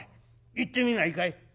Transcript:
行ってみないかい？」。